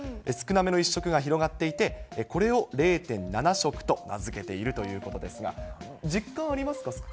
少なめの１食が広がっていて、これを０．７食と名付けているということですが、実感ありますか？